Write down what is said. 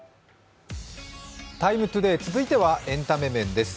「ＴＩＭＥ，ＴＯＤＡＹ」続いてはエンタメ面です。